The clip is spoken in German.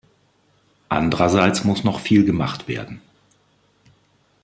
Andrerseits muss noch viel gemacht werden.